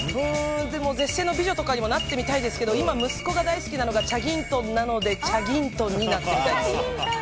絶世の美女とかにもなってみたいですけど今、息子が大好きなのでチャギントンなのでチャギントンになってみたいです。